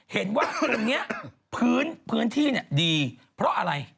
เห็นว่าตรงเนี่ยพื้นที่เนี่ยดีเพราะอะไร